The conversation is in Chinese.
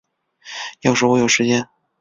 要是我有时间